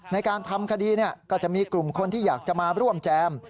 ในการทำคดีก็จะมีกลุ่มคนที่อยากจะมาร่วมแจม